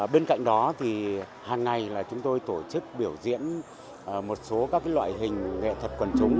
bên cạnh đó thì hàng ngày là chúng tôi tổ chức biểu diễn một số các loại hình nghệ thuật quần chúng